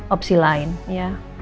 opsi lain ya